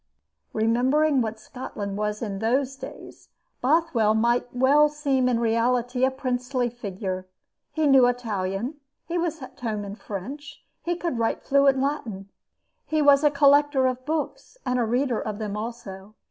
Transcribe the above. Remembering what Scotland was in those days, Bothwell might well seem in reality a princely figure. He knew Italian; he was at home in French; he could write fluent Latin. He was a collector of books and a reader of them also.